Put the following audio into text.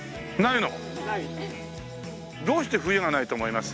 どうして冬がないと思います？